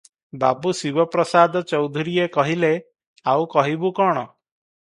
ବାବୁ ଶିବ ପ୍ରସାଦ ଚୌଧୁରୀଏ କହିଲେ, "ଆଉ କହିବୁ କଣ?